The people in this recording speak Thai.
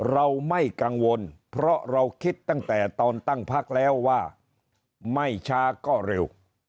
เราไม่กังวลเพราะเราคิดตั้งแต่ตอนตั้งพักแล้วว่าไม่ช้าก็เร็ว